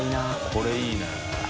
これいいね。